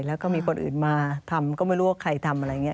แล้วก็มีคนอื่นมาทำก็ไม่รู้ว่าใครทำอะไรอย่างนี้